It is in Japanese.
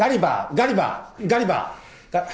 ガリバー？ガリバー？